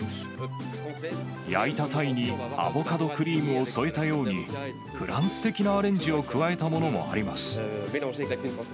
焼いたタイにアボカドクリームを添えたように、フランス的なアレンジを加えたものもあります。